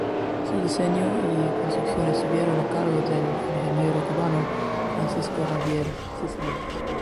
Su diseño y construcción estuvieron a cargo del ingeniero cubano Francisco Javier Cisneros.